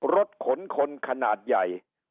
รถขนคนขนาดใหญ่